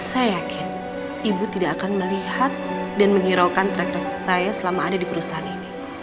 saya yakin ibu tidak akan melihat dan menghiraukan track record saya selama ada di perusahaan ini